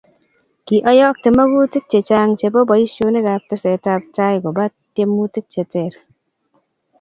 kioyokte makutik chechang' chebo boisionikab tesetabtai koba tiemutik che teer.